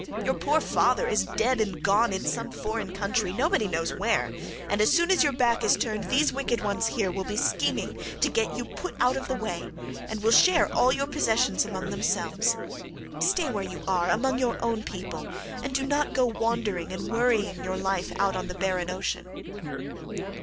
Your poor father is dead and gone in some foreign country nobody knows where, and as soon as your back is turned these wicked ones here will be scheming to get you put out of the way, and will share all your possessions among themselves; stay where you are among your own people, and do not go wandering and worrying your life out on the barren ocean."